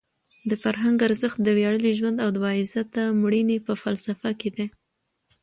د فرهنګ ارزښت د ویاړلي ژوند او د باعزته مړینې په فلسفه کې دی.